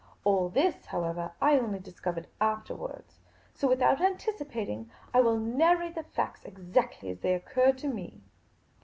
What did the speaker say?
All this, however, I only discovered afterwards. So, with out anticipating, I will narrate the facts exactly as they oc curred to me.